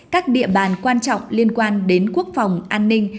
các địa bàn quan trọng liên quan đến quốc phòng an ninh